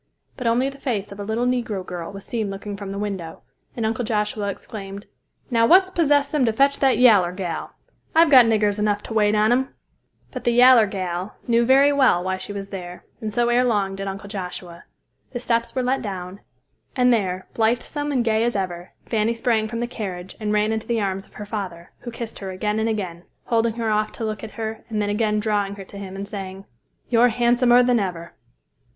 But only the face of a little negro girl was seen looking from the window, and Uncle Joshua exclaimed, "Now, what's possessed them to fetch that yaller gal! I've got niggers enough to wait on 'em." But the "yaller gal" knew very well why she was there, and so ere long did Uncle Joshua. The steps were let down, and there, blithesome and gay as ever, Fanny sprang from the carriage and ran into the arms of her father, who kissed her again and again, holding her off to look at her and then again drawing her to him and saying, "You're handsomer than ever."